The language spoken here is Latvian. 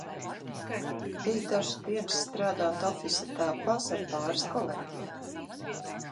Biju dažas dienas strādāt ofisa telpās ar pāris kolēģiem.